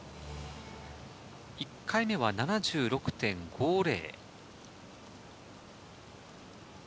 １回目は７６．５０。